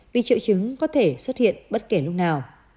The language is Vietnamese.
vì triệu chứng có thể xuất hiện bất kể lúc nào